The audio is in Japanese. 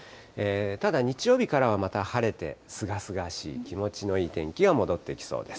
ただ日曜日からはまた晴れて、すがすがしい、気持ちのいい天気が戻ってきそうです。